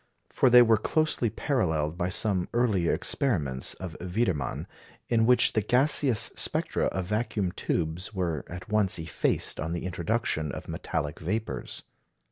For they were closely paralleled by some earlier experiments of Wiedemann, in which the gaseous spectra of vacuum tubes were at once effaced on the introduction of metallic vapours.